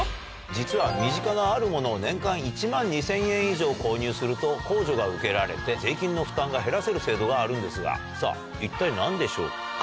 実は身近なあるものを年間１万２０００円以上購入すると控除が受けられて税金の負担が減らせる制度があるんですがさぁ一体何でしょうか？